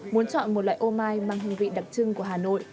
muốn chọn một loại ômai mang hương vị đặc trưng của hà nội